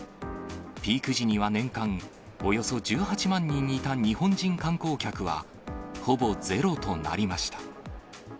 ピーク時には年間およそ１８万人いた日本人観光客はほぼゼロとなりました。